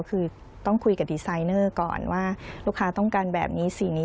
คือต้องคุยกับดีไซเนอร์ก่อนว่าลูกค้าต้องการแบบนี้สีนี้